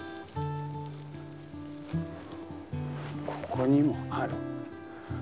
ここにもある。